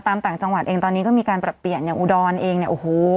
ต่างจังหวัดเองตอนนี้ก็มีการปรับเปลี่ยนอย่างอุดรเองเนี่ยโอ้โห